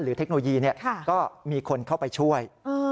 เทคโนโลยีก็มีคนเข้าไปช่วย